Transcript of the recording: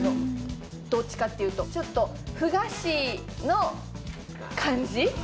どっちかっていうとちょっとふ菓子の感じ